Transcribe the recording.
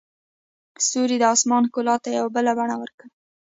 ستوري د اسمان ښکلا ته یو بله بڼه ورکوي.